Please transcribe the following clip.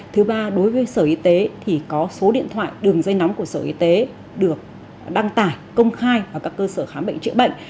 thứ ba đối với sở y tế thì có số điện thoại đường dây nóng của sở y tế được đăng tải công khai vào các cơ sở khám bệnh chữa bệnh